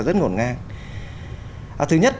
rất ngổn ngang thứ nhất